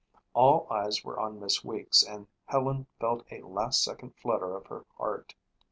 All eyes were on Miss Weeks and Helen felt a last second flutter of her heart.